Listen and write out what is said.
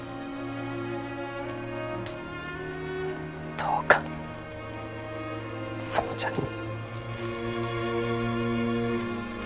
どうか園ちゃんに。